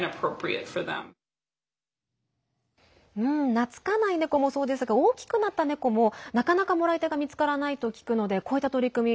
懐かないネコもそうですが大きくなったネコもなかなか、もらい手が見つからないと聞くのでこういった取り組み